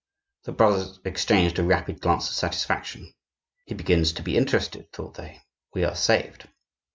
The brothers exchanged a rapid glance of satisfaction. "He begins to be interested," thought they. "We are saved!"